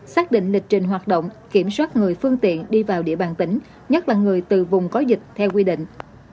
xác định lịch trình hoạt động kiểm soát người phương tiện đi vào địa bàn tỉnh nhất là người từ vùng có dịch theo quy định